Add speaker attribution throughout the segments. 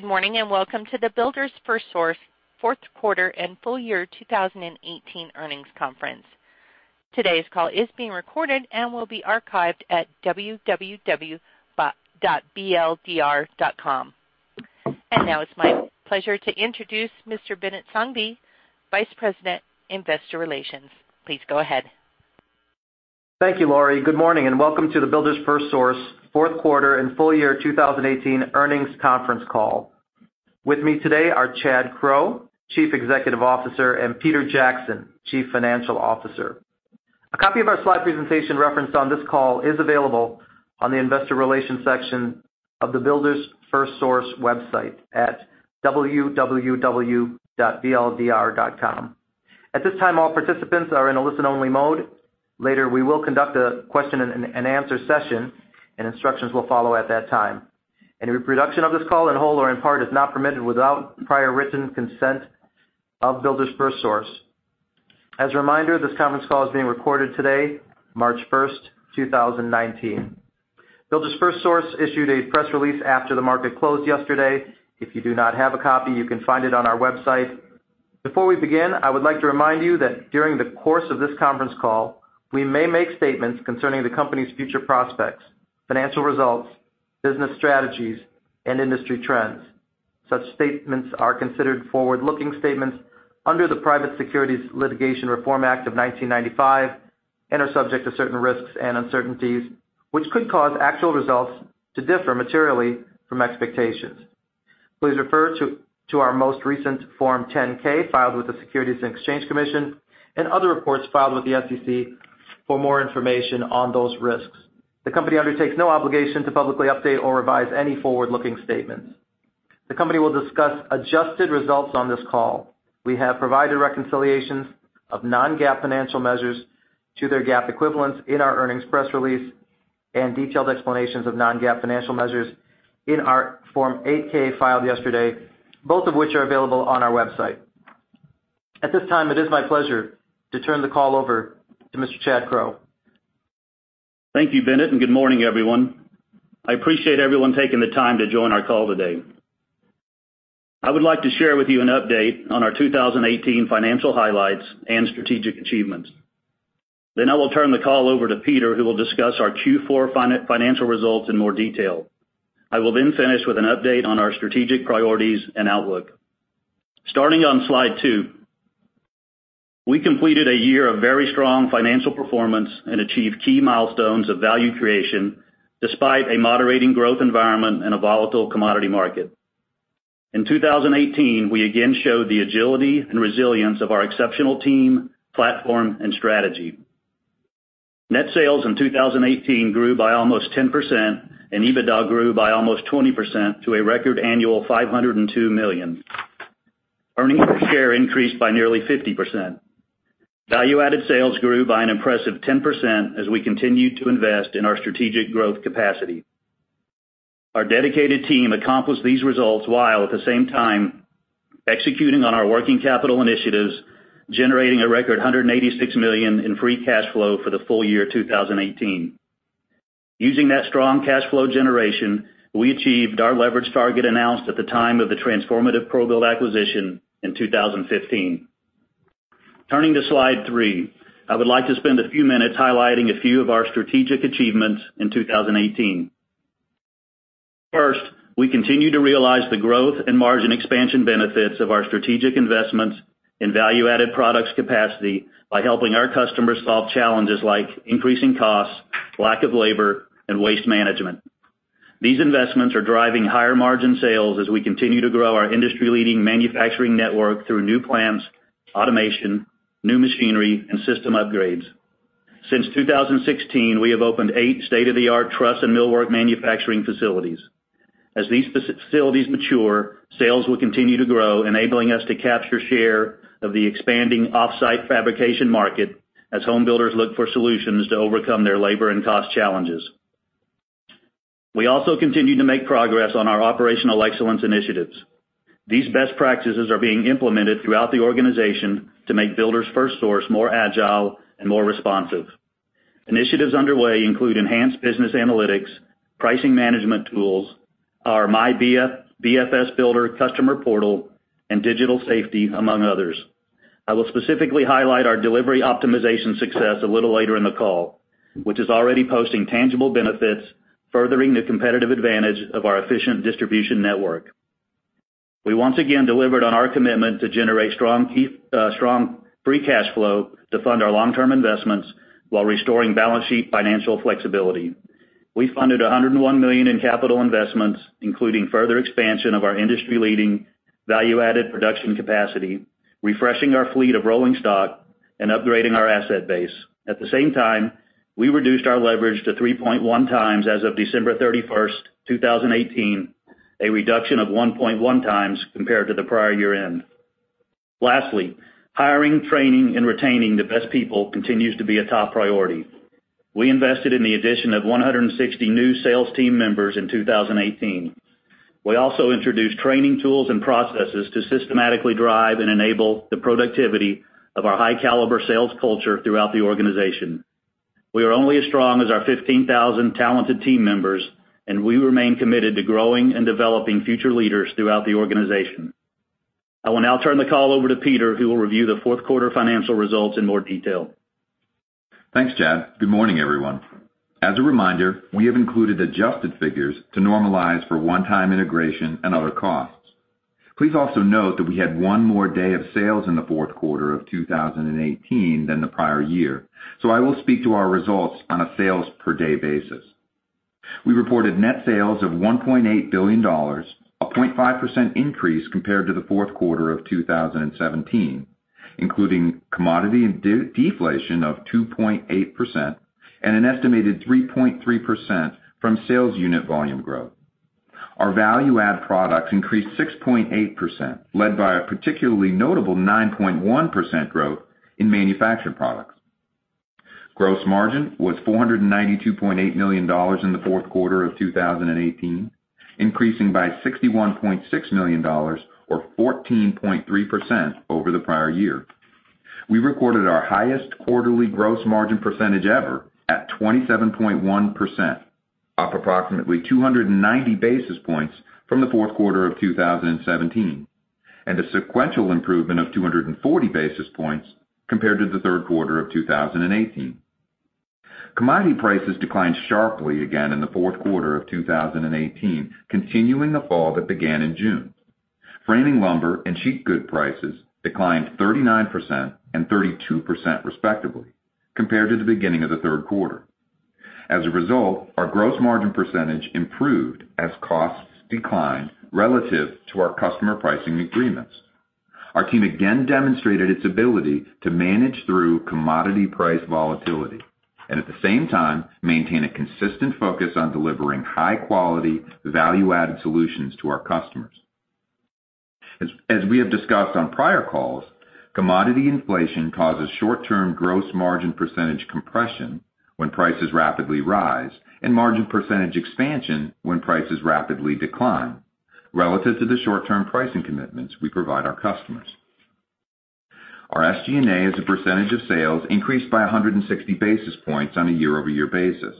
Speaker 1: Good morning. Welcome to the Builders FirstSource Fourth Quarter and Full Year 2018 Earnings Conference. Today's call is being recorded and will be archived at www.bldr.com. Now it's my pleasure to introduce Mr. Binit Sanghvi, Vice President, Investor Relations. Please go ahead.
Speaker 2: Thank you, Laurie. Good morning. Welcome to the Builders FirstSource Fourth Quarter and Full Year 2018 earnings conference call. With me today are Chad Crow, Chief Executive Officer, and Peter Jackson, Chief Financial Officer. A copy of our slide presentation referenced on this call is available on the Investor Relations section of the Builders FirstSource website at www.bldr.com. At this time, all participants are in a listen-only mode. Later, we will conduct a question and answer session. Instructions will follow at that time. Any reproduction of this call in whole or in part is not permitted without prior written consent of Builders FirstSource. As a reminder, this conference call is being recorded today, March 1st, 2019. Builders FirstSource issued a press release after the market closed yesterday. If you do not have a copy, you can find it on our website. Before we begin, I would like to remind you that during the course of this conference call, we may make statements concerning the company's future prospects, financial results, business strategies, and industry trends. Such statements are considered forward-looking statements under the Private Securities Litigation Reform Act of 1995 and are subject to certain risks and uncertainties, which could cause actual results to differ materially from expectations. Please refer to our most recent Form 10-K filed with the Securities and Exchange Commission and other reports filed with the SEC for more information on those risks. The company undertakes no obligation to publicly update or revise any forward-looking statements. The company will discuss adjusted results on this call. We have provided reconciliations of non-GAAP financial measures to their GAAP equivalents in our earnings press release. Detailed explanations of non-GAAP financial measures in our Form 8-K filed yesterday, both of which are available on our website. At this time, it is my pleasure to turn the call over to Mr. Chad Crow.
Speaker 3: Thank you, Binit, and good morning, everyone. I appreciate everyone taking the time to join our call today. I would like to share with you an update on our 2018 financial highlights and strategic achievements. I will turn the call over to Peter, who will discuss our Q4 financial results in more detail. I will then finish with an update on our strategic priorities and outlook. Starting on slide two, we completed a year of very strong financial performance and achieved key milestones of value creation despite a moderating growth environment and a volatile commodity market. In 2018, we again showed the agility and resilience of our exceptional team, platform, and strategy. Net sales in 2018 grew by almost 10%, and EBITDA grew by almost 20% to a record annual $502 million. Earnings per share increased by nearly 50%. Value-added sales grew by an impressive 10% as we continued to invest in our strategic growth capacity. Our dedicated team accomplished these results while at the same time executing on our working capital initiatives, generating a record $186 million in free cash flow for the full year 2018. Using that strong cash flow generation, we achieved our leverage target announced at the time of the transformative ProBuild acquisition in 2015. Turning to slide three, I would like to spend a few minutes highlighting a few of our strategic achievements in 2018. First, we continue to realize the growth and margin expansion benefits of our strategic investments in value-added products capacity by helping our customers solve challenges like increasing costs, lack of labor, and waste management. These investments are driving higher-margin sales as we continue to grow our industry-leading manufacturing network through new plants, automation, new machinery, and system upgrades. Since 2016, we have opened eight state-of-the-art truss and millwork manufacturing facilities. As these facilities mature, sales will continue to grow, enabling us to capture share of the expanding off-site fabrication market as home builders look for solutions to overcome their labor and cost challenges. We also continue to make progress on our operational excellence initiatives. These best practices are being implemented throughout the organization to make Builders FirstSource more agile and more responsive. Initiatives underway include enhanced business analytics, pricing management tools, our MyBFSBuilder customer portal, and digital safety, among others. I will specifically highlight our delivery optimization success a little later in the call, which is already posting tangible benefits, furthering the competitive advantage of our efficient distribution network. We once again delivered on our commitment to generate strong free cash flow to fund our long-term investments while restoring balance sheet financial flexibility. We funded $101 million in capital investments, including further expansion of our industry-leading value-added production capacity, refreshing our fleet of rolling stock, and upgrading our asset base. At the same time, we reduced our leverage to 3.1 times as of December 31st, 2018, a reduction of 1.1 times compared to the prior year-end. Lastly, hiring, training, and retaining the best people continues to be a top priority. We invested in the addition of 160 new sales team members in 2018. We also introduced training tools and processes to systematically drive and enable the productivity of our high-caliber sales culture throughout the organization. We are only as strong as our 15,000 talented team members, and we remain committed to growing and developing future leaders throughout the organization. I will now turn the call over to Peter, who will review the fourth quarter financial results in more detail.
Speaker 4: Thanks, Chad. Good morning, everyone. As a reminder, we have included adjusted figures to normalize for one-time integration and other costs. Please also note that we had one more day of sales in the fourth quarter of 2018 than the prior year, so I will speak to our results on a sales per day basis. We reported net sales of $1.8 billion, a 0.5% increase compared to the fourth quarter of 2017, including commodity deflation of 2.8% and an estimated 3.3% from sales unit volume growth. Our value-add products increased 6.8%, led by a particularly notable 9.1% growth in manufactured products. Gross margin was $492.8 million in the fourth quarter of 2018, increasing by $61.6 million, or 14.3% over the prior year. We recorded our highest quarterly gross margin percentage ever at 27.1%, up approximately 290 basis points from the fourth quarter of 2017, and a sequential improvement of 240 basis points compared to the third quarter of 2018. Commodity prices declined sharply again in the fourth quarter of 2018, continuing the fall that began in June. Framing lumber and sheet good prices declined 39% and 32% respectively, compared to the beginning of the third quarter. As a result, our gross margin percentage improved as costs declined relative to our customer pricing agreements. Our team again demonstrated its ability to manage through commodity price volatility and at the same time, maintain a consistent focus on delivering high-quality, value-added solutions to our customers. As we have discussed on prior calls, commodity inflation causes short-term gross margin percentage compression when prices rapidly rise and margin percentage expansion when prices rapidly decline relative to the short-term pricing commitments we provide our customers. Our SG&A as a percentage of sales increased by 160 basis points on a year-over-year basis.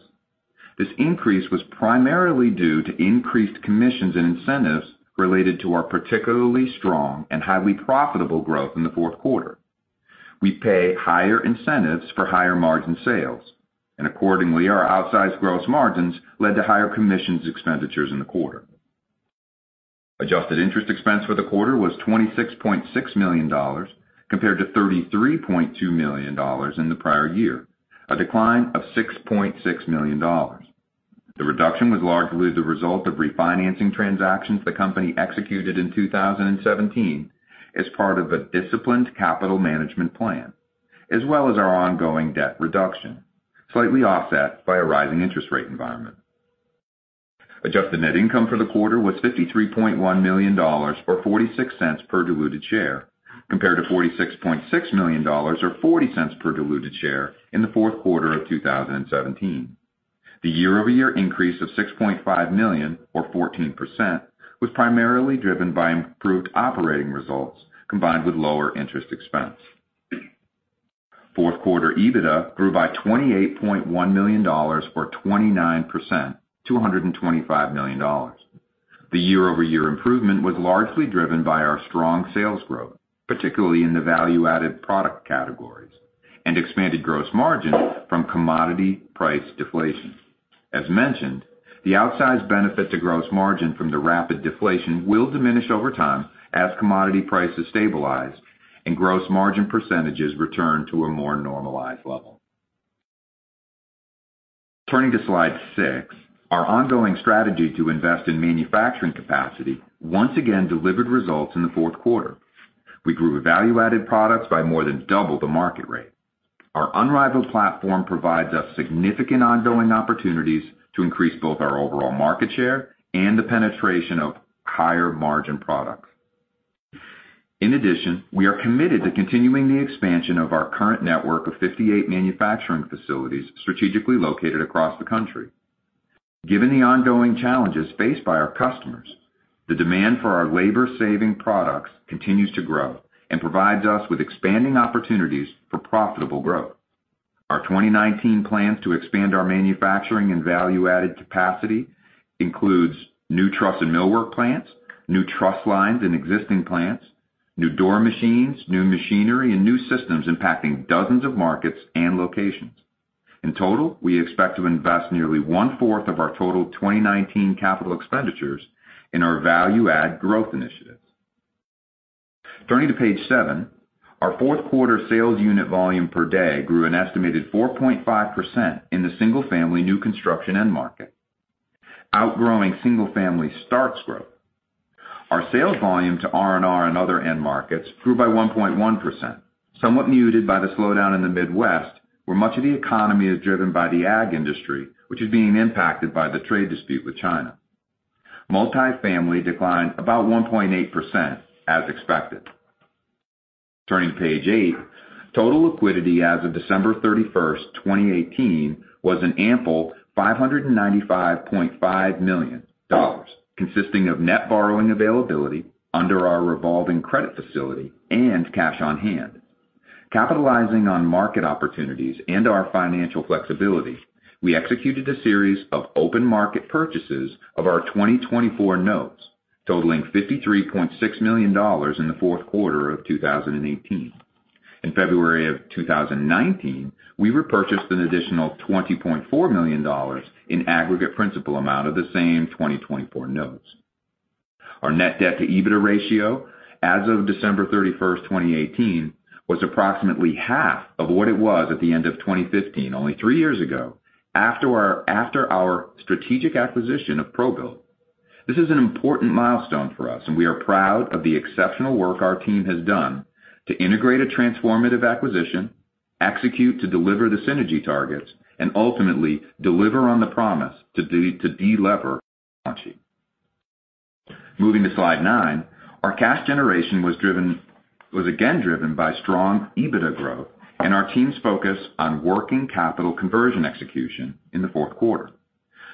Speaker 4: This increase was primarily due to increased commissions and incentives related to our particularly strong and highly profitable growth in the fourth quarter. Our outsized gross margins led to higher commissions expenditures in the quarter. Adjusted interest expense for the quarter was $26.6 million, compared to $33.2 million in the prior year, a decline of $6.6 million. The reduction was largely the result of refinancing transactions the company executed in 2017 as part of a disciplined capital management plan, as well as our ongoing debt reduction, slightly offset by a rising interest rate environment. Adjusted net income for the quarter was $53.1 million, or $0.46 per diluted share, compared to $46.6 million or $0.40 per diluted share in the fourth quarter of 2017. The year-over-year increase of $6.5 million, or 14%, was primarily driven by improved operating results combined with lower interest expense. Fourth quarter EBITDA grew by $28.1 million, or 29% to $125 million. The year-over-year improvement was largely driven by our strong sales growth, particularly in the value-added product categories, expanded gross margin from commodity price deflation. As mentioned, the outsized benefit to gross margin from the rapid deflation will diminish over time as commodity prices stabilize and gross margin percentages return to a more normalized level. Turning to slide six, our ongoing strategy to invest in manufacturing capacity once again delivered results in the fourth quarter. We grew value-added products by more than double the market rate. Our unrivaled platform provides us significant ongoing opportunities to increase both our overall market share and the penetration of higher-margin products. In addition, we are committed to continuing the expansion of our current network of 58 manufacturing facilities strategically located across the country. Given the ongoing challenges faced by our customers, the demand for our labor-saving products continues to grow and provides us with expanding opportunities for profitable growth. Our 2019 plans to expand our manufacturing and value-added capacity includes new truss and millwork plants, new truss lines in existing plants, new door machines, new machinery, and new systems impacting dozens of markets and locations. In total, we expect to invest nearly one-fourth of our total 2019 capital expenditures in our value-add growth initiatives. Turning to page seven, our fourth quarter sales unit volume per day grew an estimated 4.5% in the single family new construction end market, outgrowing single-family starts growth. Our sales volume to R&R and other end markets grew by 1.1%, somewhat muted by the slowdown in the Midwest, where much of the economy is driven by the ag industry, which is being impacted by the trade dispute with China. Multifamily declined about 1.8% as expected. Turning to page eight, total liquidity as of December 31st, 2018, was an ample $595.5 million, consisting of net borrowing availability under our revolving credit facility and cash on hand. Capitalizing on market opportunities and our financial flexibility, we executed a series of open market purchases of our 2024 notes, totaling $53.6 million in the fourth quarter of 2018. In February of 2019, we repurchased an additional $20.4 million in aggregate principal amount of the same 2024 notes. Our net debt to EBITDA ratio as of December 31st, 2018, was approximately half of what it was at the end of 2015, only three years ago, after our strategic acquisition of ProBuild. This is an important milestone for us. We are proud of the exceptional work our team has done to integrate a transformative acquisition, execute to deliver the synergy targets, and ultimately deliver on the promise to delever our balance sheet. Moving to slide nine, our cash generation was again driven by strong EBITDA growth and our team's focus on working capital conversion execution in the fourth quarter.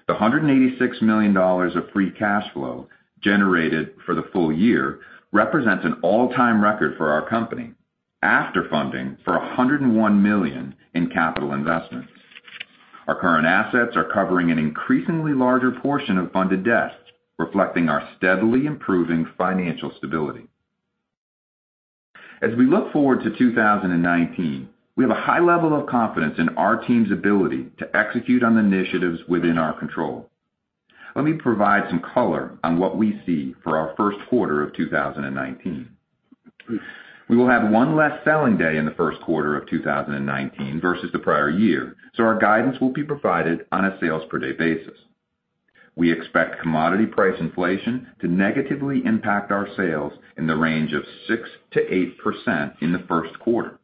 Speaker 4: The $186 million of free cash flow generated for the full year represents an all-time record for our company after funding for $101 million in capital investments. Our current assets are covering an increasingly larger portion of funded debt, reflecting our steadily improving financial stability. As we look forward to 2019, we have a high level of confidence in our team's ability to execute on the initiatives within our control. Let me provide some color on what we see for our first quarter of 2019. We will have one less selling day in the first quarter of 2019 versus the prior year, so our guidance will be provided on a sales per day basis. We expect commodity price inflation to negatively impact our sales in the range of 6%-8% in the first quarter.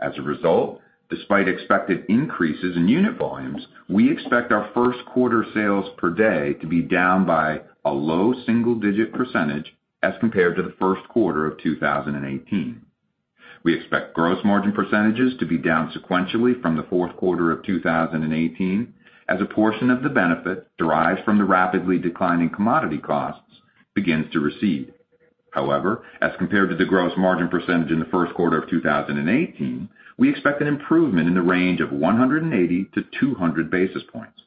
Speaker 4: As a result, despite expected increases in unit volumes, we expect our first quarter sales per day to be down by a low single-digit percentage as compared to the first quarter of 2018. We expect gross margin percentages to be down sequentially from the fourth quarter of 2018 as a portion of the benefit derived from the rapidly declining commodity costs begins to recede. As compared to the gross margin percentage in the first quarter of 2018, we expect an improvement in the range of 180-200 basis points.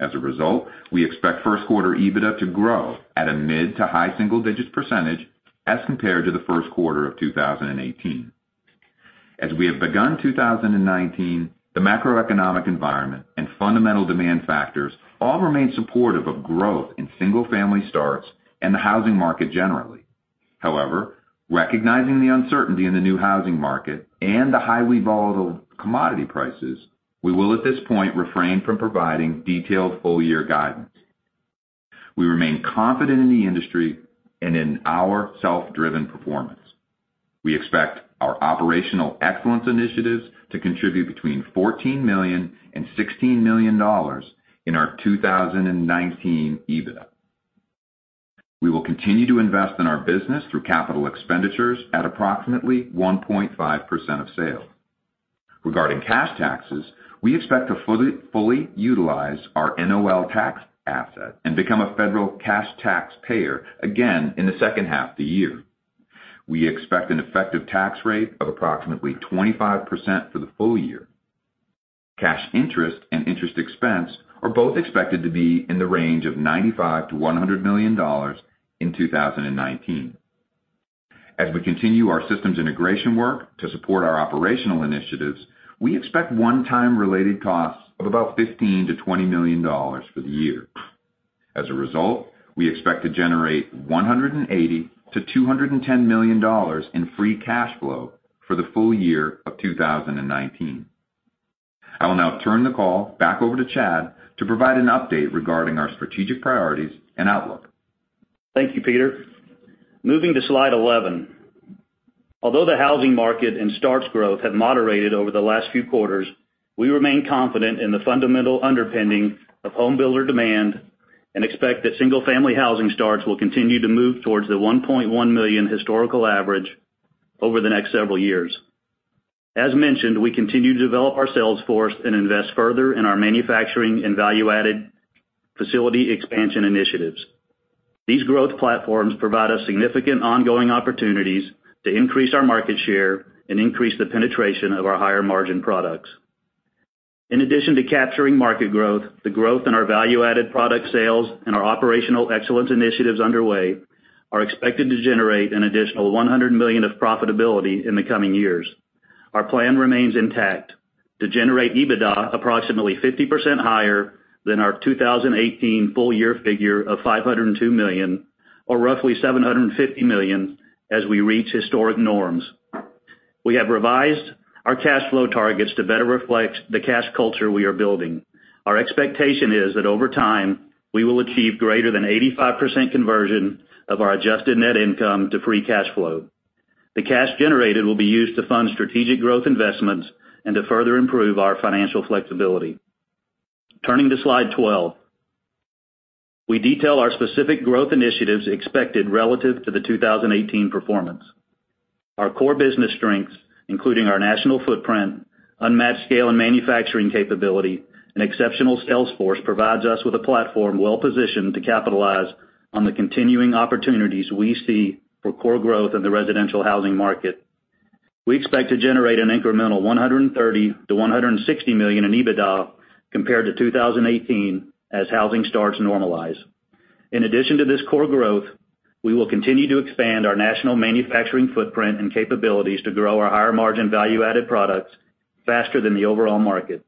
Speaker 4: As a result, we expect first quarter EBITDA to grow at a mid to high single-digit percentage as compared to the first quarter of 2018. As we have begun 2019, the macroeconomic environment and fundamental demand factors all remain supportive of growth in single-family starts and the housing market generally. Recognizing the uncertainty in the new housing market and the highly volatile commodity prices, we will at this point refrain from providing detailed full-year guidance. We remain confident in the industry and in our self-driven performance. We expect our operational excellence initiatives to contribute between $14 million and $16 million in our 2019 EBITDA. We will continue to invest in our business through capital expenditures at approximately 1.5% of sale. Regarding cash taxes, we expect to fully utilize our NOL tax asset and become a federal cash taxpayer again in the second half of the year. We expect an effective tax rate of approximately 25% for the full year. Cash interest and interest expense are both expected to be in the range of $95 million-$100 million in 2019. As we continue our systems integration work to support our operational initiatives, we expect one-time related costs of about $15 million-$20 million for the year. As a result, we expect to generate $180 million-$210 million in free cash flow for the full year of 2019. I will now turn the call back over to Chad to provide an update regarding our strategic priorities and outlook.
Speaker 3: Thank you, Peter. Moving to Slide 11. Although the housing market and starts growth have moderated over the last few quarters, we remain confident in the fundamental underpinning of home builder demand and expect that single-family housing starts will continue to move towards the 1.1 million historical average over the next several years. As mentioned, we continue to develop our sales force and invest further in our manufacturing and value-added facility expansion initiatives. These growth platforms provide us significant ongoing opportunities to increase our market share and increase the penetration of our higher-margin products. In addition to capturing market growth, the growth in our value-added product sales and our operational excellence initiatives underway are expected to generate an additional $100 million of profitability in the coming years. Our plan remains intact to generate EBITDA approximately 50% higher than our 2018 full-year figure of $502 million, or roughly $750 million as we reach historic norms. We have revised our cash flow targets to better reflect the cash culture we are building. Our expectation is that over time, we will achieve greater than 85% conversion of our adjusted net income to free cash flow. The cash generated will be used to fund strategic growth investments and to further improve our financial flexibility. Turning to Slide 12. We detail our specific growth initiatives expected relative to the 2018 performance. Our core business strengths, including our national footprint, unmatched scale and manufacturing capability, and exceptional sales force, provides us with a platform well-positioned to capitalize on the continuing opportunities we see for core growth in the residential housing market. We expect to generate an incremental $130 million-$160 million in EBITDA compared to 2018 as housing starts to normalize. In addition to this core growth, we will continue to expand our national manufacturing footprint and capabilities to grow our higher-margin value-added products faster than the overall market.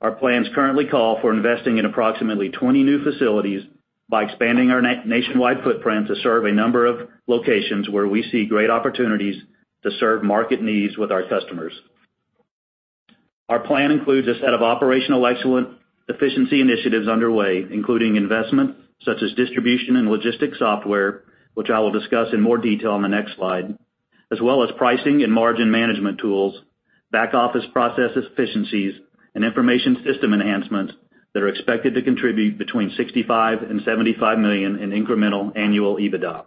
Speaker 3: Our plans currently call for investing in approximately 20 new facilities by expanding our nationwide footprint to serve a number of locations where we see great opportunities to serve market needs with our customers. Our plan includes a set of operational excellence efficiency initiatives underway, including investment such as distribution and logistics software, which I will discuss in more detail on the next slide, as well as pricing and margin management tools, back-office process efficiencies, and information system enhancements that are expected to contribute between $65 million and $75 million in incremental annual EBITDA.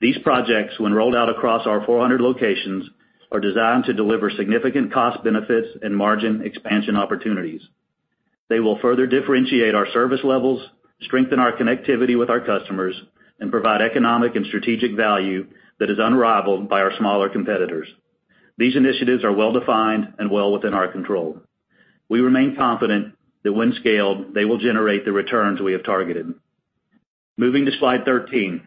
Speaker 3: These projects, when rolled out across our 400 locations, are designed to deliver significant cost benefits and margin expansion opportunities. They will further differentiate our service levels, strengthen our connectivity with our customers, and provide economic and strategic value that is unrivaled by our smaller competitors. These initiatives are well-defined and well within our control. We remain confident that when scaled, they will generate the returns we have targeted. Moving to slide 13.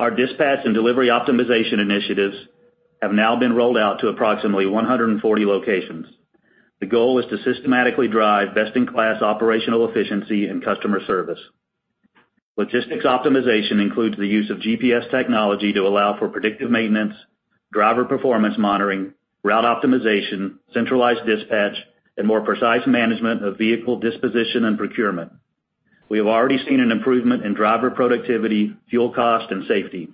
Speaker 3: Our dispatch and delivery optimization initiatives have now been rolled out to approximately 140 locations. The goal is to systematically drive best-in-class operational efficiency and customer service. Logistics optimization includes the use of GPS technology to allow for predictive maintenance, driver performance monitoring, route optimization, centralized dispatch, and more precise management of vehicle disposition and procurement. We have already seen an improvement in driver productivity, fuel cost, and safety.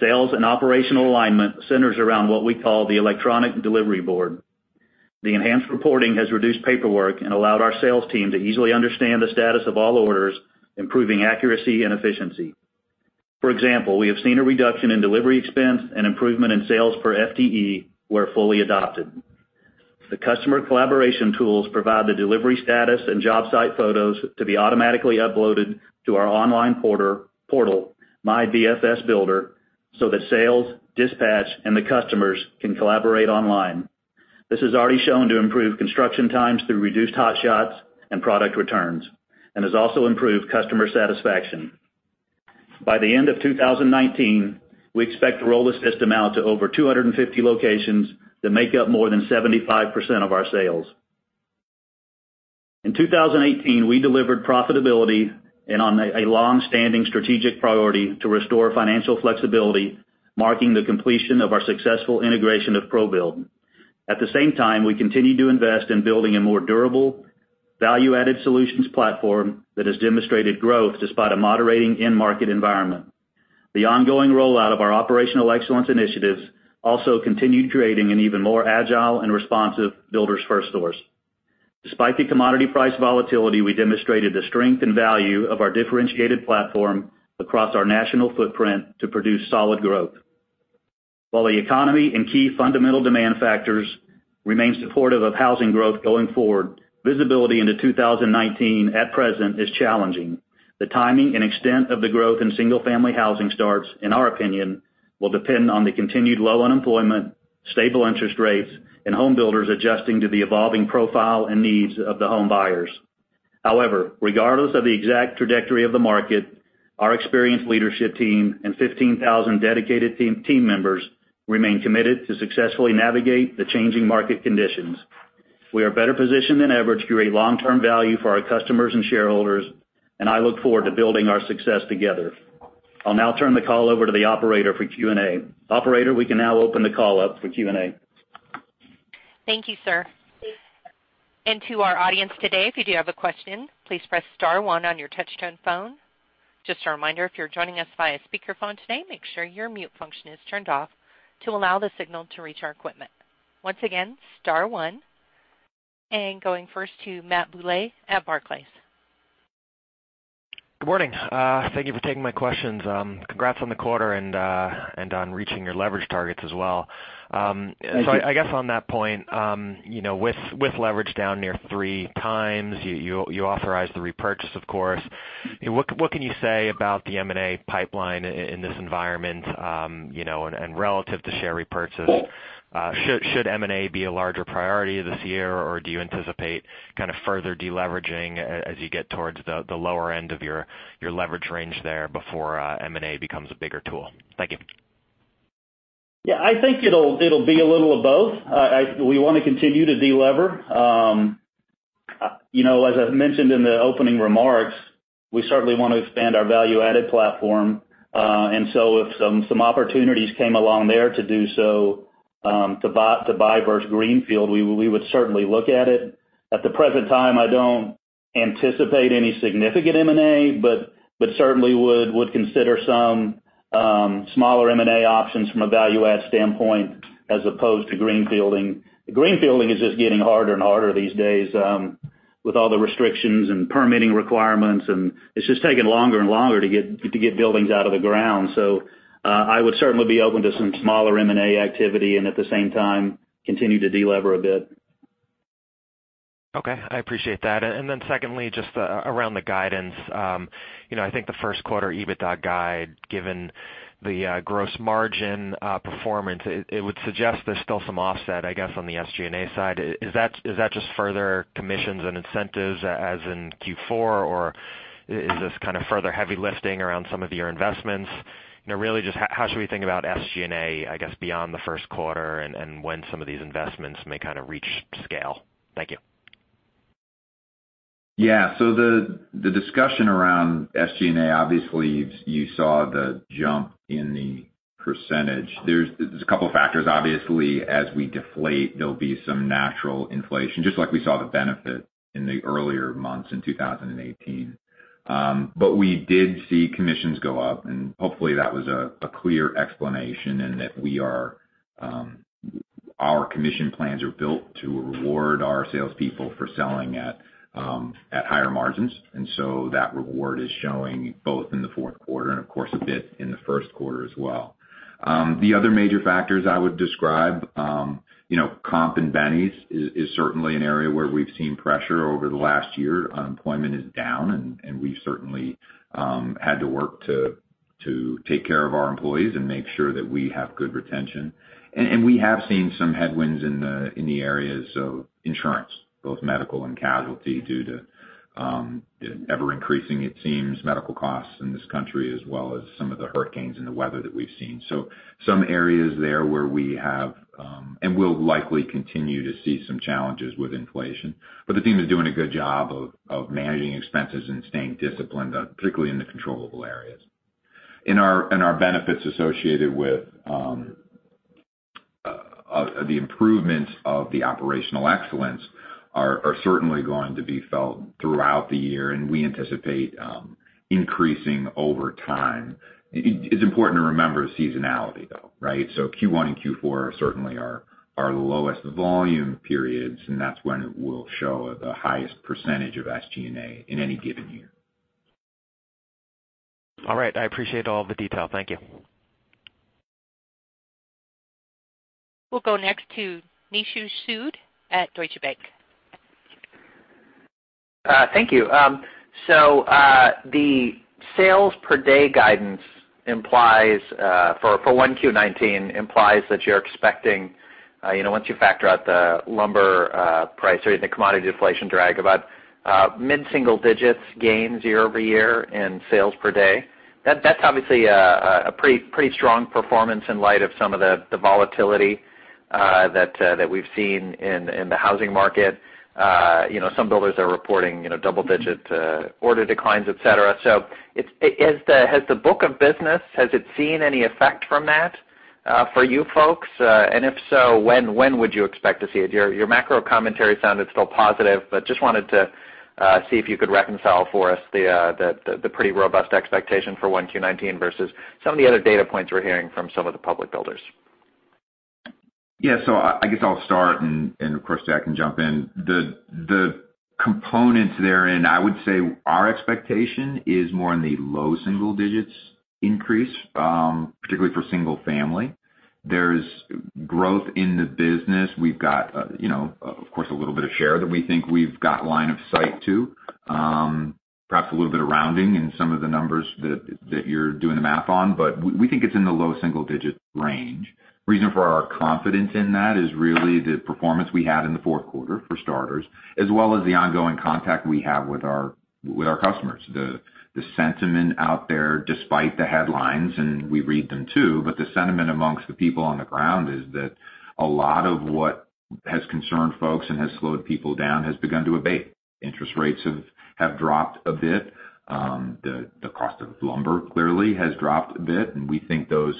Speaker 3: Sales and operational alignment centers around what we call the electronic delivery board. The enhanced reporting has reduced paperwork and allowed our sales team to easily understand the status of all orders, improving accuracy and efficiency. For example, we have seen a reduction in delivery expense and improvement in sales per FTE where fully adopted. The customer collaboration tools provide the delivery status and job site photos to be automatically uploaded to our online portal, MyBFSBuilder, so that sales, dispatch, and the customers can collaborate online. This has already shown to improve construction times through reduced hot shots and product returns and has also improved customer satisfaction. By the end of 2019, we expect to roll the system out to over 250 locations that make up more than 75% of our sales. In 2018, we delivered profitability and on a longstanding strategic priority to restore financial flexibility, marking the completion of our successful integration of ProBuild. At the same time, we continued to invest in building a more durable value-added solutions platform that has demonstrated growth despite a moderating end-market environment. The ongoing rollout of our operational excellence initiatives also continued creating an even more agile and responsive Builders FirstSource. Despite the commodity price volatility, we demonstrated the strength and value of our differentiated platform across our national footprint to produce solid growth. While the economy and key fundamental demand factors remain supportive of housing growth going forward, visibility into 2019 at present is challenging. The timing and extent of the growth in single-family housing starts, in our opinion, will depend on the continued low unemployment, stable interest rates, and home builders adjusting to the evolving profile and needs of the home buyers. Regardless of the exact trajectory of the market, our experienced leadership team and 15,000 dedicated team members remain committed to successfully navigate the changing market conditions. We are better positioned than ever to create long-term value for our customers and shareholders. I look forward to building our success together. I'll now turn the call over to the operator for Q&A. Operator, we can now open the call up for Q&A.
Speaker 1: Thank you, sir. To our audience today, if you do have a question, please press star one on your touch-tone phone. Just a reminder, if you're joining us via speakerphone today, make sure your mute function is turned off to allow the signal to reach our equipment. Once again, star one. Going first to Matthew Bouley at Barclays.
Speaker 5: Good morning. Thank you for taking my questions. Congrats on the quarter and on reaching your leverage targets as well.
Speaker 3: Thank you.
Speaker 5: I guess on that point, with leverage down near 3 times, you authorized the repurchase, of course. What can you say about the M&A pipeline in this environment and relative to share repurchase? Should M&A be a larger priority this year, or do you anticipate kind of further deleveraging as you get towards the lower end of your leverage range there before M&A becomes a bigger tool? Thank you.
Speaker 3: I think it'll be a little of both. We want to continue to delever. As I've mentioned in the opening remarks, we certainly want to expand our value-added platform. If some opportunities came along there to do so to buy versus greenfield, we would certainly look at it. At the present time, I don't anticipate any significant M&A, but certainly would consider some Smaller M&A options from a value add standpoint as opposed to green fielding. Green fielding is just getting harder and harder these days with all the restrictions and permitting requirements, and it's just taking longer and longer to get buildings out of the ground. I would certainly be open to some smaller M&A activity and at the same time continue to delever a bit.
Speaker 5: Secondly, just around the guidance. I think the first quarter EBITDA guide, given the gross margin performance, it would suggest there's still some offset, I guess, on the SG&A side. Is that just further commissions and incentives as in Q4, or is this kind of further heavy lifting around some of your investments? Really just how should we think about SG&A, I guess, beyond the first quarter and when some of these investments may kind of reach scale? Thank you.
Speaker 4: Yeah. The discussion around SG&A, obviously, you saw the jump in the percentage. There's a couple factors. Obviously, as we deflate, there'll be some natural inflation, just like we saw the benefit in the earlier months in 2018. We did see commissions go up, and hopefully that was a clear explanation in that our commission plans are built to reward our salespeople for selling at higher margins. That reward is showing both in the fourth quarter and of course, a bit in the first quarter as well. The other major factors I would describe, comp and bennies is certainly an area where we've seen pressure over the last year. Unemployment is down, and we've certainly had to work to take care of our employees and make sure that we have good retention. We have seen some headwinds in the areas of insurance, both medical and casualty, due to ever-increasing, it seems, medical costs in this country, as well as some of the hurricanes and the weather that we've seen. Some areas there where we have, and will likely continue to see some challenges with inflation. The team is doing a good job of managing expenses and staying disciplined, particularly in the controllable areas. Our benefits associated with the improvements of the operational excellence are certainly going to be felt throughout the year, and we anticipate increasing over time. It's important to remember seasonality, though, right? Q1 and Q4 are certainly our lowest volume periods, and that's when it will show the highest percentage of SG&A in any given year.
Speaker 5: All right. I appreciate all the detail. Thank you.
Speaker 1: We'll go next to Nishu Sood at Deutsche Bank.
Speaker 6: Thank you. The sales per day guidance for 1Q19 implies that you're expecting, once you factor out the lumber price or the commodity deflation drag, about mid-single digits gains year-over-year in sales per day. That's obviously a pretty strong performance in light of some of the volatility that we've seen in the housing market. Some builders are reporting double-digit order declines, et cetera. Has the book of business, has it seen any effect from that for you folks? If so, when would you expect to see it? Your macro commentary sounded still positive, but just wanted to see if you could reconcile for us the pretty robust expectation for 1Q19 versus some of the other data points we're hearing from some of the public builders.
Speaker 4: Yeah. I guess I'll start and of course, Jack can jump in. The components therein, I would say our expectation is more in the low single digits increase, particularly for single family. There's growth in the business. We've got of course a little bit of share that we think we've got line of sight to. Perhaps a little bit of rounding in some of the numbers that you're doing the math on, but we think it's in the low single-digit range. Reason for our confidence in that is really the performance we had in the fourth quarter, for starters, as well as the ongoing contact we have with our customers. The sentiment out there, despite the headlines, and we read them too, but the sentiment amongst the people on the ground is that a lot of what has concerned folks and has slowed people down has begun to abate. Interest rates have dropped a bit. The cost of lumber clearly has dropped a bit, we think those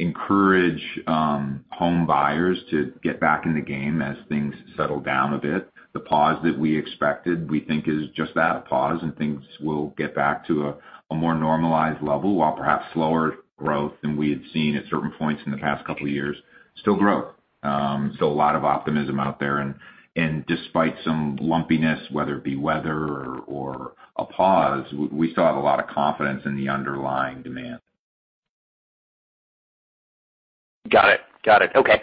Speaker 4: encourage home buyers to get back in the game as things settle down a bit. The pause that we expected, we think is just that, a pause, things will get back to a more normalized level, while perhaps slower growth than we had seen at certain points in the past couple of years. Still growth. A lot of optimism out there. Despite some lumpiness, whether it be weather or a pause, we still have a lot of confidence in the underlying demand.
Speaker 6: Got it. Okay.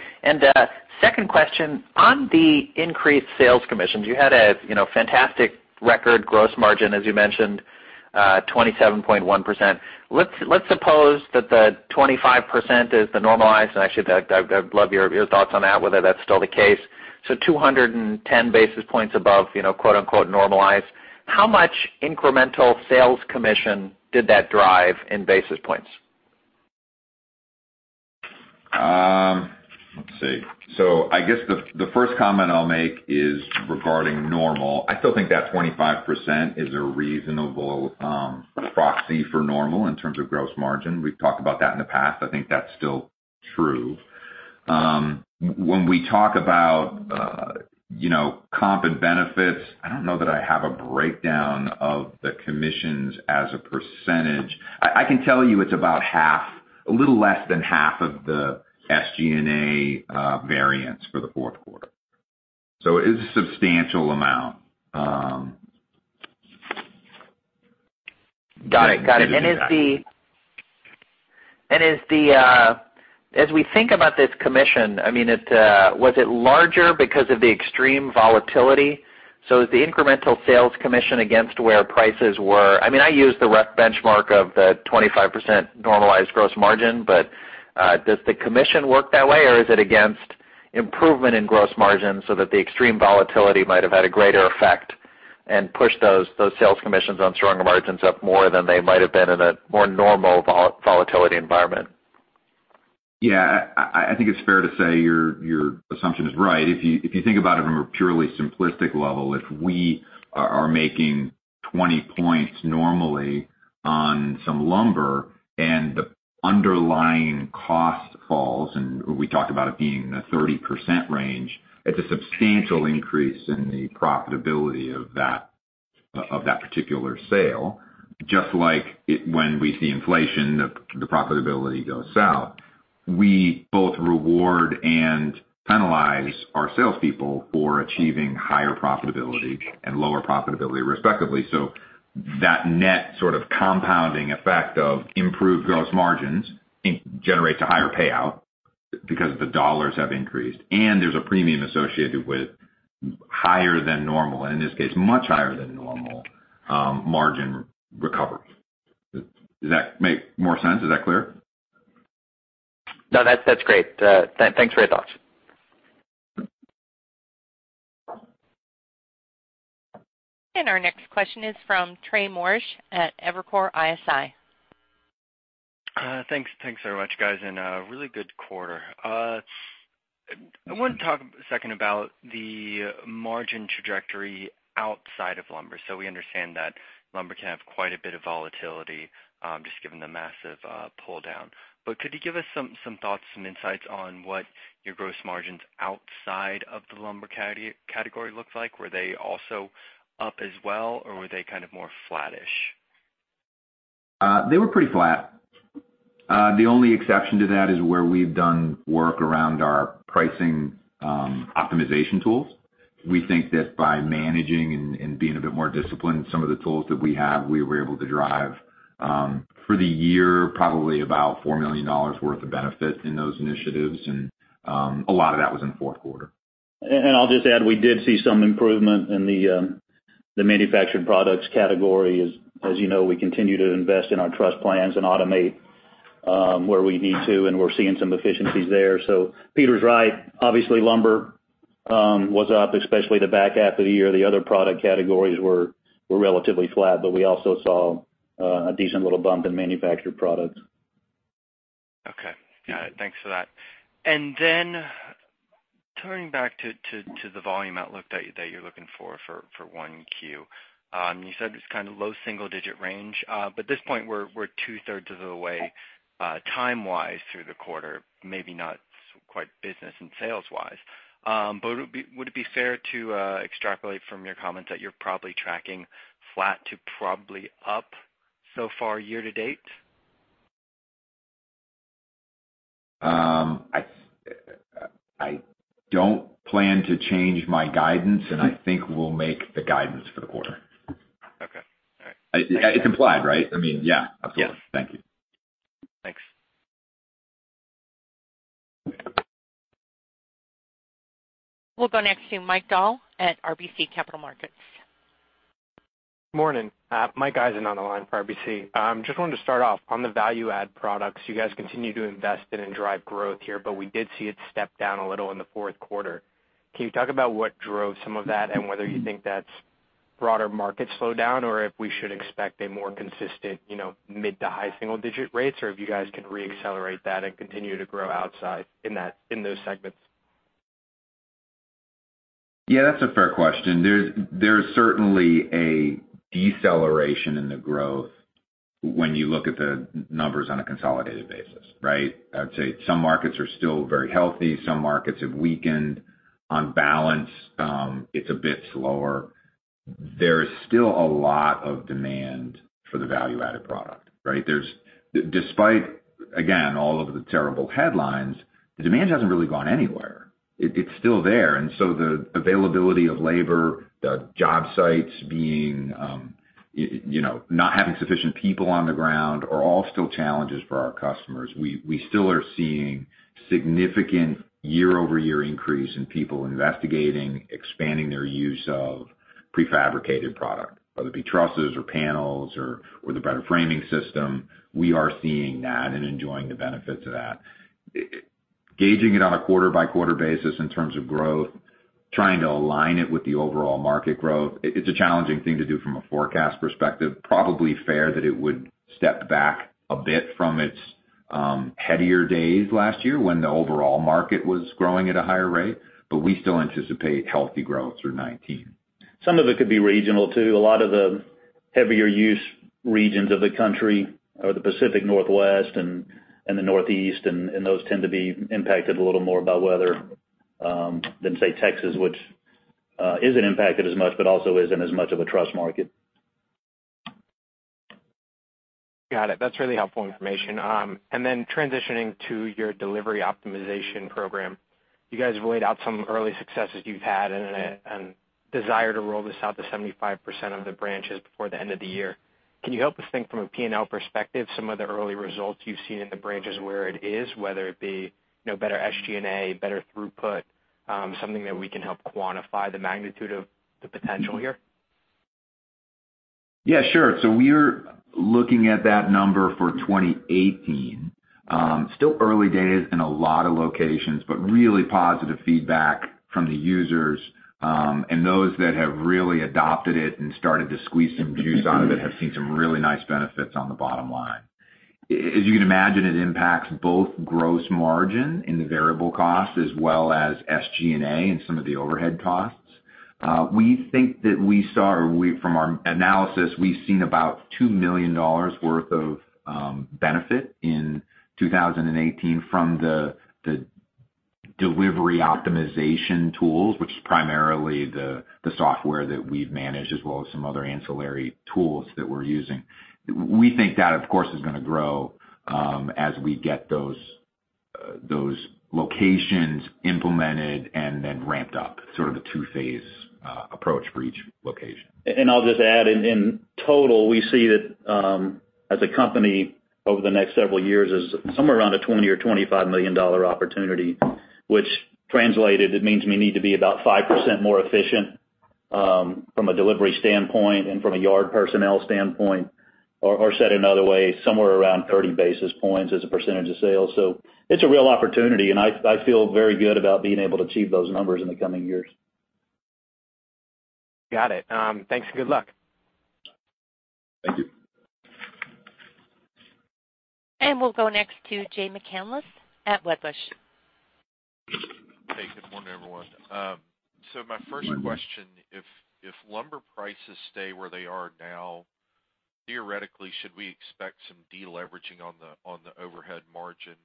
Speaker 6: Second question, on the increased sales commissions, you had a fantastic record gross margin, as you mentioned, 27.1%. Let's suppose that the 25% is the normalized, and actually, I'd love your thoughts on that, whether that's still the case. 210 basis points above, quote-unquote, normalized. How much incremental sales commission did that drive in basis points?
Speaker 4: Let's see. I guess the first comment I'll make is regarding normal. I still think that 25% is a reasonable proxy for normal in terms of gross margin. We've talked about that in the past. I think that's still true. When we talk about- Comp and benefits, I don't know that I have a breakdown of the commissions as a percentage. I can tell you it's about half, a little less than half of the SG&A variance for the fourth quarter. It is a substantial amount.
Speaker 6: Got it. As we think about this commission, was it larger because of the extreme volatility? Is the incremental sales commission against where prices were? I use the rough benchmark of the 25% normalized gross margin, but does the commission work that way? Or is it against improvement in gross margins so that the extreme volatility might have had a greater effect and pushed those sales commissions on stronger margins up more than they might have been in a more normal volatility environment?
Speaker 4: Yeah. I think it's fair to say your assumption is right. If you think about it from a purely simplistic level, if we are making 20 points normally on some lumber and the underlying cost falls, and we talked about it being in the 30% range, it's a substantial increase in the profitability of that particular sale. Just like when we see inflation, the profitability goes south. We both reward and penalize our salespeople for achieving higher profitability and lower profitability, respectively. That net sort of compounding effect of improved gross margins generates a higher payout because the dollars have increased, and there's a premium associated with higher than normal, and in this case, much higher than normal, margin recovery. Does that make more sense? Is that clear?
Speaker 6: No, that's great. Thanks for your thoughts.
Speaker 1: Our next question is from Trey Morrish at Evercore ISI.
Speaker 7: Thanks very much, guys, and a really good quarter. I want to talk a second about the margin trajectory outside of lumber. We understand that lumber can have quite a bit of volatility, just given the massive pull down. Could you give us some thoughts, some insights on what your gross margins outside of the lumber category look like? Were they also up as well, or were they kind of more flattish?
Speaker 4: They were pretty flat. The only exception to that is where we've done work around our pricing optimization tools. We think that by managing and being a bit more disciplined in some of the tools that we have, we were able to drive, for the year, probably about $4 million worth of benefit in those initiatives, and a lot of that was in the fourth quarter.
Speaker 3: I'll just add, we did see some improvement in the manufactured products category. As you know, we continue to invest in our truss plants and automate where we need to, and we're seeing some efficiencies there. Peter's right. Obviously lumber was up, especially the back half of the year. The other product categories were relatively flat, but we also saw a decent little bump in manufactured products.
Speaker 7: Okay. Got it. Thanks for that. Turning back to the volume outlook that you're looking for 1Q. You said it's kind of low single-digit range. At this point, we're two-thirds of the way time-wise through the quarter, maybe not quite business and sales-wise. Would it be fair to extrapolate from your comments that you're probably tracking flat to probably up so far year to date?
Speaker 4: I don't plan to change my guidance, and I think we'll make the guidance for the quarter.
Speaker 7: Okay. All right.
Speaker 4: It's implied, right? I mean, yeah. Absolutely.
Speaker 7: Yeah.
Speaker 4: Thank you.
Speaker 7: Thanks.
Speaker 1: We'll go next to Mike Dahl at RBC Capital Markets.
Speaker 8: Morning. Mike is on the line for RBC. Just wanted to start off on the value-add products you guys continue to invest in and drive growth here, but we did see it step down a little in the fourth quarter. Can you talk about what drove some of that and whether you think that's broader market slowdown, or if we should expect a more consistent mid to high single-digit rates, or if you guys can re-accelerate that and continue to grow outside in those segments?
Speaker 4: Yeah, that's a fair question. There's certainly a deceleration in the growth when you look at the numbers on a consolidated basis, right? I'd say some markets are still very healthy. Some markets have weakened. On balance, it's a bit slower. There is still a lot of demand for the value-added product, right? Despite, again, all of the terrible headlines, the demand hasn't really gone anywhere. It's still there. The availability of labor, the job sites not having sufficient people on the ground, are all still challenges for our customers. We still are seeing significant year-over-year increase in people investigating, expanding their use of prefabricated product, whether it be trusses or panels or the better framing system. We are seeing that and enjoying the benefits of that. Gauging it on a quarter-by-quarter basis in terms of growth, trying to align it with the overall market growth, it's a challenging thing to do from a forecast perspective. Probably fair that it would step back a bit from its headier days last year when the overall market was growing at a higher rate, but we still anticipate healthy growth through 2019.
Speaker 3: Some of it could be regional, too. A lot of the heavier use regions of the country are the Pacific Northwest and the Northeast, and those tend to be impacted a little more by weather than, say, Texas, which isn't impacted as much, but also isn't as much of a truss market.
Speaker 8: Got it. That's really helpful information. Transitioning to your delivery optimization program. You guys have laid out some early successes you've had and a desire to roll this out to 75% of the branches before the end of the year. Can you help us think from a P&L perspective, some of the early results you've seen in the branches where it is, whether it be better SG&A, better throughput, something that we can help quantify the magnitude of the potential here?
Speaker 4: Yeah, sure. We're looking at that number for 2018. Still early days in a lot of locations, but really positive feedback from the users. Those that have really adopted it and started to squeeze some juice out of it have seen some really nice benefits on the bottom line. As you can imagine, it impacts both gross margin in the variable costs as well as SG&A and some of the overhead costs. We think that from our analysis, we've seen about $2 million worth of benefit in 2018 from the delivery optimization tools, which is primarily the software that we've managed, as well as some other ancillary tools that we're using. We think that, of course, is going to grow as we get those locations implemented and then ramped up. Sort of a two-phase approach for each location.
Speaker 3: I'll just add, in total, we see that as a company over the next several years is somewhere around a $20 million or $25 million opportunity, which translated, it means we need to be about 5% more efficient from a delivery standpoint and from a yard personnel standpoint, or said another way, somewhere around 30 basis points as a percentage of sales. It's a real opportunity, and I feel very good about being able to achieve those numbers in the coming years.
Speaker 8: Got it. Thanks, and good luck.
Speaker 4: Thank you.
Speaker 1: We'll go next to Jay McCanless at Wedbush.
Speaker 9: Hey, good morning, everyone. My first question, if lumber prices stay where they are now, theoretically, should we expect some de-leveraging on the overhead margin?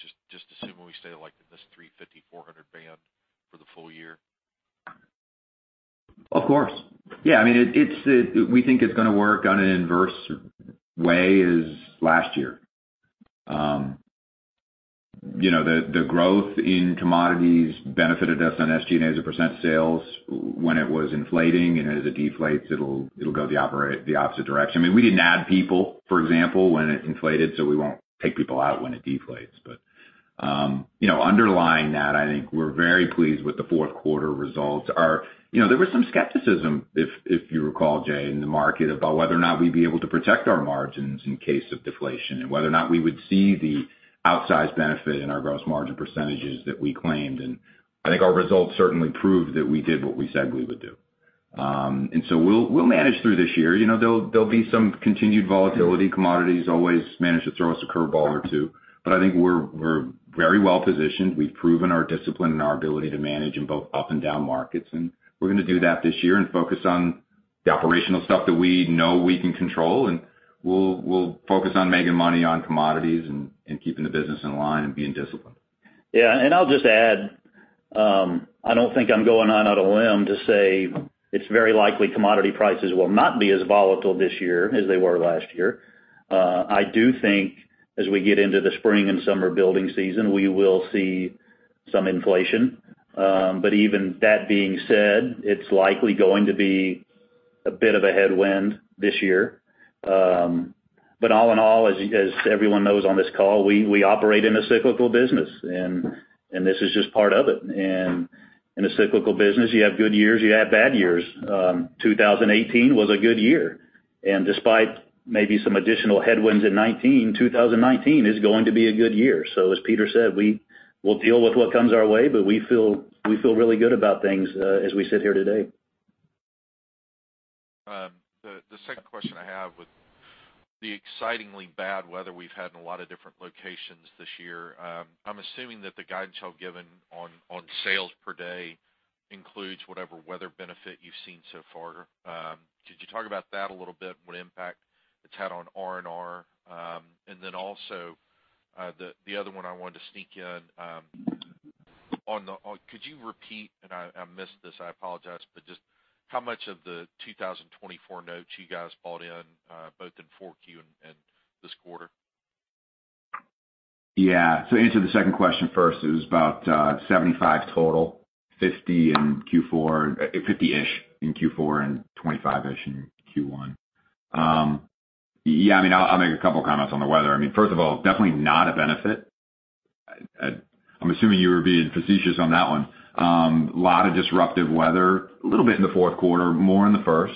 Speaker 9: Just assuming we stay like in this 350, 400 band for the full year.
Speaker 4: Of course. Yeah, we think it's going to work on an inverse way as last year. The growth in commodities benefited us on SG&A as a % sales when it was inflating, and as it deflates, it'll go the opposite direction. We didn't add people, for example, when it inflated, we won't take people out when it deflates. Underlying that, I think we're very pleased with the fourth quarter results. There was some skepticism, if you recall, Jay, in the market about whether or not we'd be able to protect our margins in case of deflation and whether or not we would see the outsized benefit in our gross margin percentages that we claimed. I think our results certainly proved that we did what we said we would do. We'll manage through this year. There'll be some continued volatility. Commodities always manage to throw us a curve ball or two. I think we're very well-positioned. We've proven our discipline and our ability to manage in both up and down markets, and we're going to do that this year and focus on the operational stuff that we know we can control, and we'll focus on making money on commodities and keeping the business in line and being disciplined.
Speaker 3: I'll just add, I don't think I'm going on out a limb to say it's very likely commodity prices will not be as volatile this year as they were last year. I do think as we get into the spring and summer building season, we will see some inflation. Even that being said, it's likely going to be a bit of a headwind this year. All in all, as everyone knows on this call, we operate in a cyclical business, and this is just part of it. In a cyclical business, you have good years, you have bad years. 2018 was a good year. Despite maybe some additional headwinds in 2019 is going to be a good year. As Peter said, we will deal with what comes our way, but we feel really good about things as we sit here today.
Speaker 9: The second question I have with the excitingly bad weather we've had in a lot of different locations this year. I'm assuming that the guidance y'all given on sales per day includes whatever weather benefit you've seen so far. Could you talk about that a little bit, what impact it's had on R&R? Also the other one I wanted to sneak in, could you repeat, and I missed this, I apologize, but just how much of the 2024 notes you guys bought in both in 4Q and this quarter?
Speaker 4: To answer the second question first, it was about 75 total, 50-ish in Q4, and 25-ish in Q1. I'll make a couple comments on the weather. First of all, definitely not a benefit. I'm assuming you were being facetious on that one. Lot of disruptive weather, a little bit in the fourth quarter, more in the first.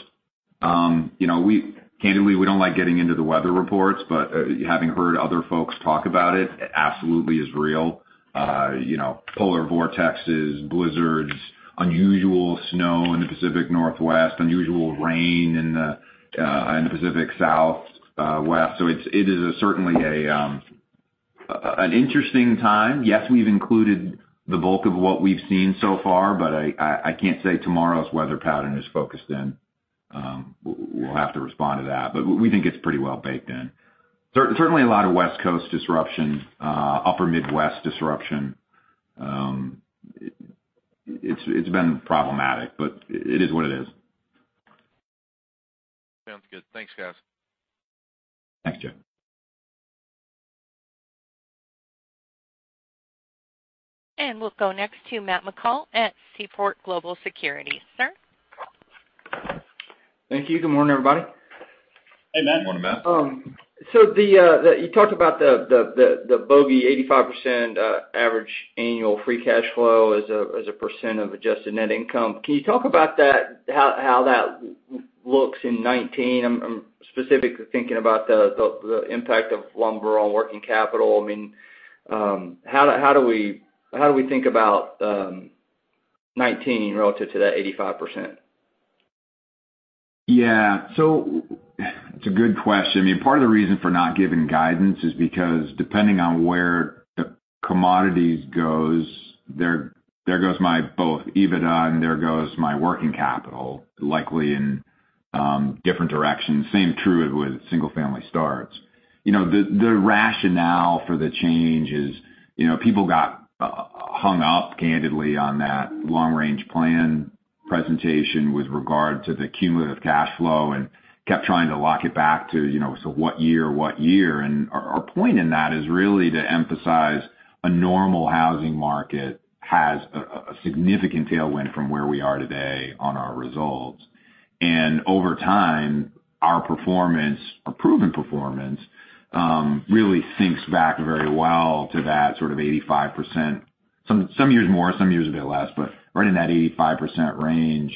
Speaker 4: Candidly, we don't like getting into the weather reports, having heard other folks talk about it absolutely is real. Polar vortexes, blizzards, unusual snow in the Pacific Northwest, unusual rain in the Pacific Southwest. It is certainly an interesting time. We've included the bulk of what we've seen so far, I can't say tomorrow's weather pattern is focused in. We'll have to respond to that. We think it's pretty well baked in. Certainly a lot of West Coast disruption, upper Midwest disruption. It's been problematic, but it is what it is.
Speaker 9: Sounds good. Thanks, guys.
Speaker 4: Thanks, Jay.
Speaker 1: We'll go next to Matt McCall at Seaport Global Securities. Sir?
Speaker 10: Thank you. Good morning, everybody.
Speaker 4: Hey, Matt.
Speaker 3: Good morning, Matt.
Speaker 10: You talked about the bogey 85% average annual free cash flow as a percent of adjusted net income. Can you talk about that, how that looks in 2019? I'm specifically thinking about the impact of lumber on working capital. How do we think about 2019 relative to that 85%?
Speaker 4: It's a good question. Part of the reason for not giving guidance is because depending on where the commodities goes, there goes my both EBITDA, and there goes my working capital, likely in different directions. Same true with single-family starts. The rationale for the change is people got hung up, candidly, on that long-range plan presentation with regard to the cumulative cash flow and kept trying to lock it back to, so what year? Our point in that is really to emphasize a normal housing market has a significant tailwind from where we are today on our results. Over time, our proven performance really syncs back very well to that sort of 85%. Some years more, some years a bit less, right in that 85% range,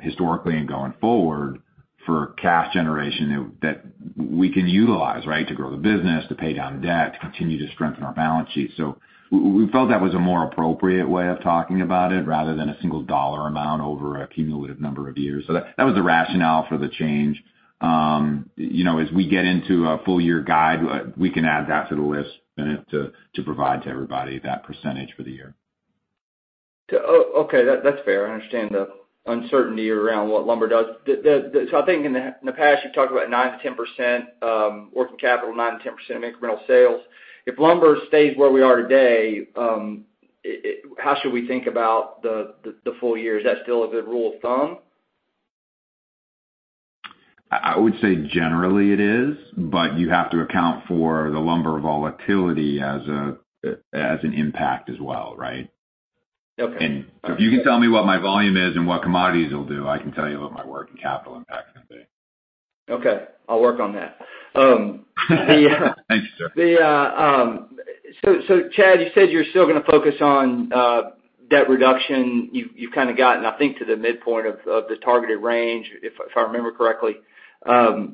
Speaker 4: historically and going forward, for cash generation that we can utilize to grow the business, to pay down debt, to continue to strengthen our balance sheet. We felt that was a more appropriate way of talking about it rather than a single dollar amount over a cumulative number of years. That was the rationale for the change. As we get into a full-year guide, we can add that to the list to provide to everybody that percentage for the year.
Speaker 10: Okay. That's fair. I understand the uncertainty around what lumber does. I think in the past, you've talked about 9% to 10% working capital, 9% to 10% of incremental sales. If lumber stays where we are today, how should we think about the full year? Is that still a good rule of thumb?
Speaker 4: I would say generally it is, you have to account for the lumber volatility as an impact as well, right?
Speaker 10: Okay.
Speaker 4: If you can tell me what my volume is and what commodities will do, I can tell you what my working capital impact is going to be.
Speaker 10: Okay. I'll work on that.
Speaker 4: Thanks, sir.
Speaker 10: Chad, you said you're still going to focus on debt reduction. You've kind of gotten, I think, to the midpoint of the targeted range, if I remember correctly. Do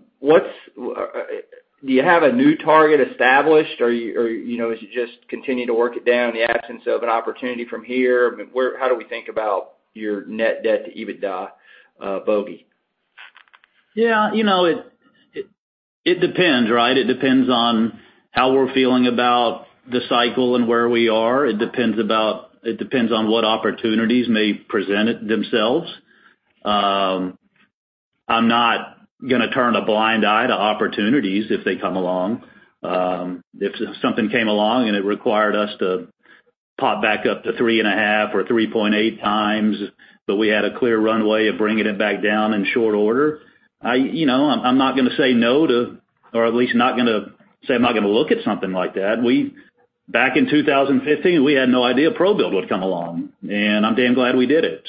Speaker 10: you have a new target established, or as you just continue to work it down in the absence of an opportunity from here, how do we think about your net debt to EBITDA bogey?
Speaker 3: Yeah. It depends. It depends on how we're feeling about the cycle and where we are. It depends on what opportunities may present themselves. I'm not going to turn a blind eye to opportunities if they come along. If something came along and it required us to pop back up to 3.5 or 3.8 times, but we had a clear runway of bringing it back down in short order, I'm not going to say no to, or at least not going to say I'm not going to look at something like that. Back in 2015, we had no idea ProBuild would come along, and I'm damn glad we did it.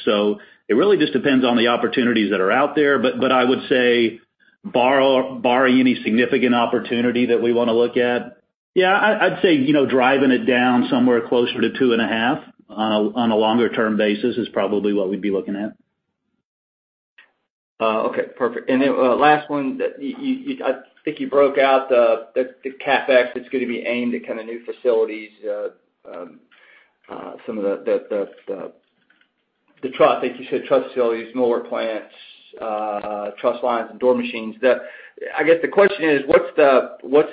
Speaker 3: It really just depends on the opportunities that are out there. I would say barring any significant opportunity that we want to look at, yeah, I'd say driving it down somewhere closer to 2.5 on a longer-term basis is probably what we'd be looking at.
Speaker 10: Okay, perfect. Then last one. I think you broke out the CapEx that's going to be aimed at kind of new facilities, some of the truss, I think you said truss facilities, millwork plants, truss lines, and door machines. I guess the question is, what's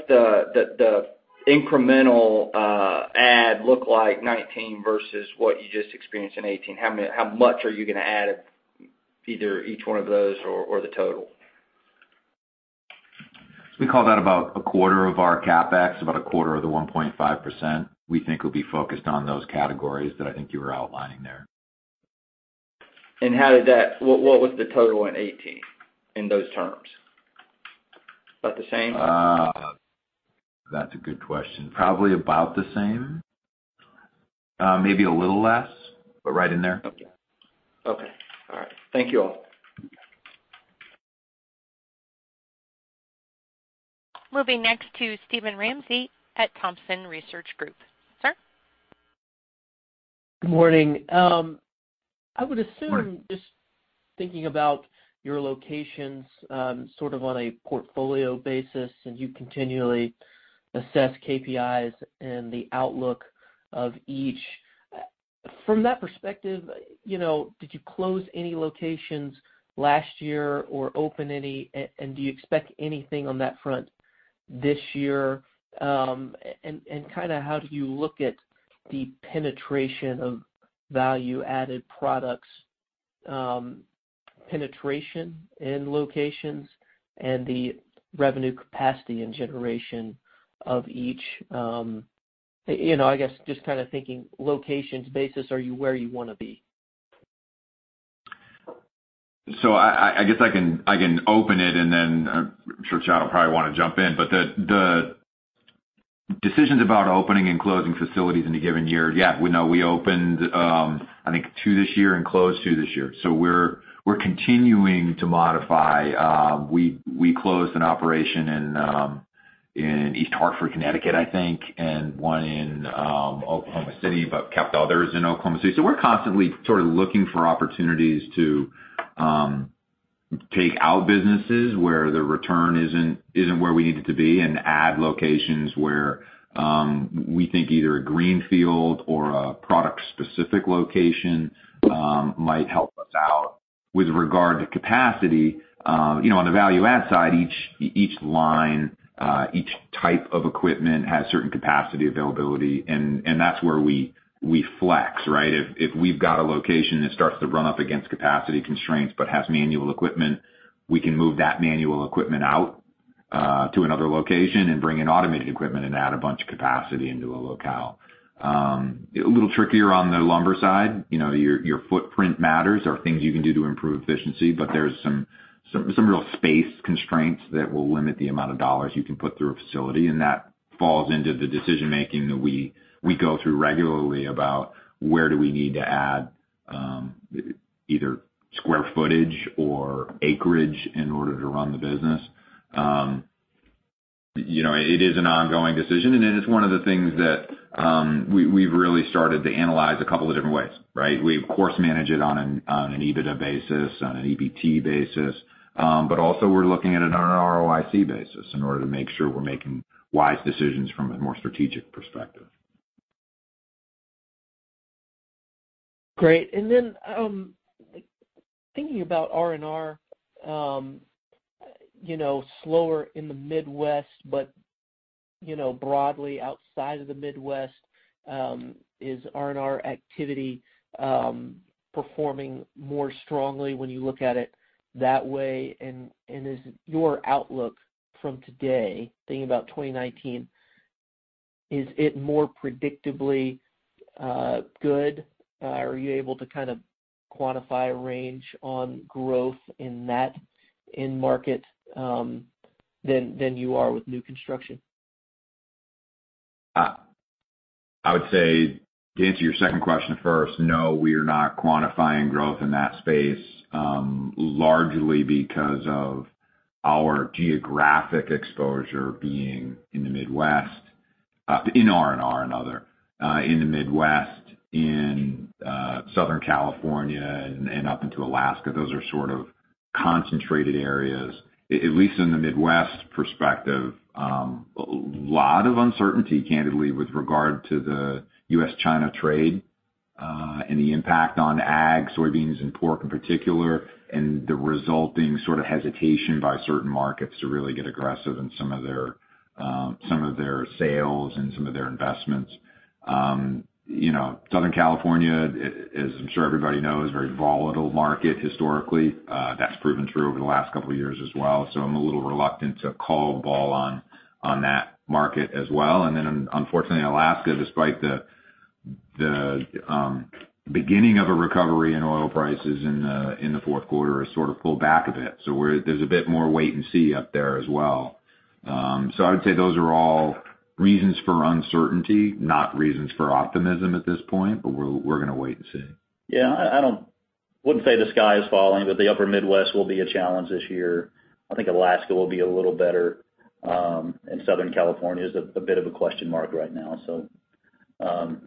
Speaker 10: the incremental add look like 2019 versus what you just experienced in 2018? How much are you going to add, either each one of those or the total?
Speaker 4: We call that about a quarter of our CapEx. About a quarter of the 1.5%, we think, will be focused on those categories that I think you were outlining there.
Speaker 10: What was the total in 2018 in those terms? About the same?
Speaker 4: That's a good question. Probably about the same. Maybe a little less, but right in there.
Speaker 10: Okay. All right. Thank you all.
Speaker 1: Moving next to Steven Ramsey at Thompson Research Group. Sir?
Speaker 11: Good morning. I would assume.
Speaker 4: Morning
Speaker 11: Just thinking about your locations sort of on a portfolio basis, and you continually assess KPIs and the outlook of each. From that perspective, did you close any locations last year or open any, and do you expect anything on that front this year? How do you look at the penetration of value-added products, penetration in locations, and the revenue capacity and generation of each? I guess, just kind of thinking locations basis, are you where you want to be?
Speaker 4: I guess I can open it and then I'm sure Chad will probably want to jump in, but the decisions about opening and closing facilities in a given year, we know we opened, I think two this year and closed two this year. We're continuing to modify. We closed an operation in East Hartford, Connecticut, I think, and one in Oklahoma City, but kept others in Oklahoma City. We're constantly sort of looking for opportunities to take out businesses where the return isn't where we need it to be and add locations where we think either a greenfield or a product-specific location might help us out. With regard to capacity, on the value add side, each line, each type of equipment has certain capacity availability, and that's where we flex, right? If we've got a location that starts to run up against capacity constraints but has manual equipment, we can move that manual equipment out to another location and bring in automated equipment and add a bunch of capacity into a locale. A little trickier on the lumber side. Your footprint matters. There are things you can do to improve efficiency, but there's some real space constraints that will limit the amount of dollars you can put through a facility, and that falls into the decision-making that we go through regularly about where do we need to add either square footage or acreage in order to run the business. It is an ongoing decision, and it is one of the things that we've really started to analyze a couple of different ways, right? We, of course, manage it on an EBITDA basis, on an EBT basis. Also we're looking at it on an ROIC basis in order to make sure we're making wise decisions from a more strategic perspective.
Speaker 11: Great. Then, thinking about R&R, slower in the Midwest, but broadly outside of the Midwest, is R&R activity performing more strongly when you look at it that way? Is your outlook from today, thinking about 2019, is it more predictably good? Are you able to kind of quantify a range on growth in that end market than you are with new construction?
Speaker 4: I would say to answer your second question first, no, we are not quantifying growth in that space, largely because of our geographic exposure being in the Midwest, in R&R and other. In the Midwest, in Southern California, and up into Alaska. Those are sort of concentrated areas. At least in the Midwest perspective, a lot of uncertainty, candidly, with regard to the U.S.-China trade, and the impact on ag, soybeans, and pork in particular, and the resulting sort of hesitation by certain markets to really get aggressive in some of their sales and some of their investments. Southern California, as I'm sure everybody knows, very volatile market historically. That's proven true over the last couple of years as well, so I'm a little reluctant to call a ball on that market as well. Then unfortunately, Alaska, despite the beginning of a recovery in oil prices in the fourth quarter, has sort of pulled back a bit. There's a bit more wait and see up there as well. I would say those are all reasons for uncertainty, not reasons for optimism at this point, but we're going to wait and see.
Speaker 3: I wouldn't say the sky is falling, but the upper Midwest will be a challenge this year. I think Alaska will be a little better, and Southern California is a bit of a question mark right now.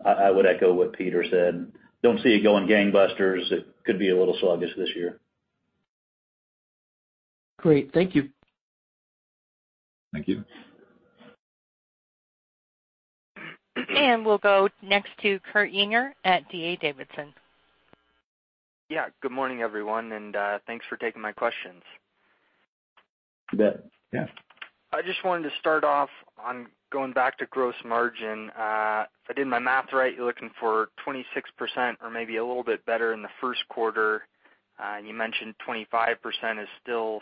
Speaker 3: I would echo what Peter said. Don't see it going gangbusters. It could be a little sluggish this year.
Speaker 11: Great. Thank you.
Speaker 4: Thank you.
Speaker 1: We'll go next to Kurt Yinger at D.A. Davidson.
Speaker 12: Yeah. Good morning, everyone, thanks for taking my questions.
Speaker 3: You bet. Yeah.
Speaker 12: I just wanted to start off on going back to gross margin. If I did my math right, you're looking for 26% or maybe a little bit better in the first quarter. You mentioned 25% is still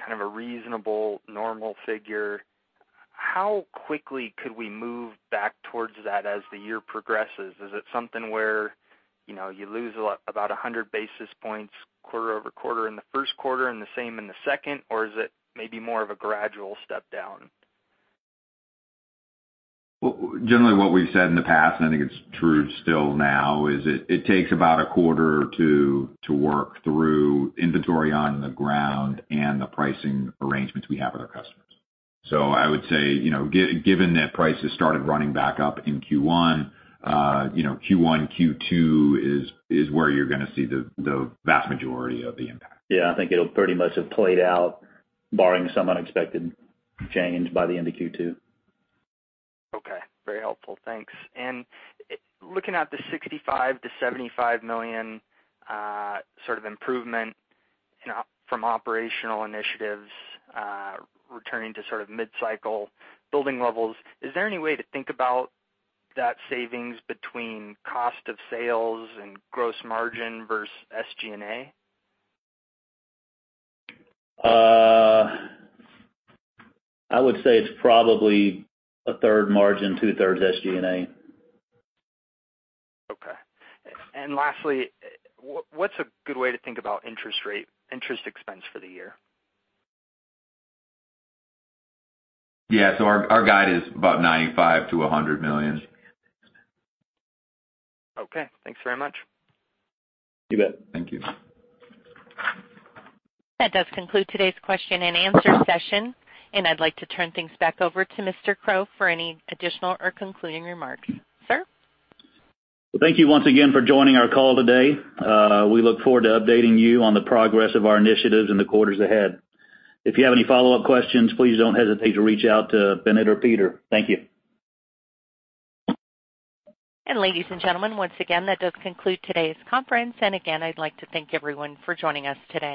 Speaker 12: kind of a reasonable, normal figure. How quickly could we move back towards that as the year progresses? Is it something where you lose about 100 basis points quarter-over-quarter in the first quarter and the same in the second, or is it maybe more of a gradual step down?
Speaker 4: Generally what we've said in the past, and I think it's true still now, is it takes about a quarter to work through inventory on the ground and the pricing arrangements we have with our customers. I would say, given that prices started running back up in Q1, Q2 is where you're going to see the vast majority of the impact.
Speaker 3: Yeah, I think it'll pretty much have played out barring some unexpected change by the end of Q2.
Speaker 12: Okay. Very helpful. Thanks. Looking at the $65 million-$75 million sort of improvement from operational initiatives returning to sort of mid-cycle building levels, is there any way to think about that savings between cost of sales and gross margin versus SG&A?
Speaker 3: I would say it's probably a third margin, two-thirds SG&A.
Speaker 12: Okay. Lastly, what's a good way to think about interest expense for the year?
Speaker 4: Yeah. Our guide is about $95 million-$100 million.
Speaker 12: Okay. Thanks very much.
Speaker 3: You bet.
Speaker 4: Thank you.
Speaker 1: That does conclude today's question and answer session, and I'd like to turn things back over to Mr. Crow for any additional or concluding remarks. Sir?
Speaker 3: Well, thank you once again for joining our call today. We look forward to updating you on the progress of our initiatives in the quarters ahead. If you have any follow-up questions, please don't hesitate to reach out to Binit or Peter. Thank you.
Speaker 1: Ladies and gentlemen, once again, that does conclude today's conference. Again, I'd like to thank everyone for joining us today.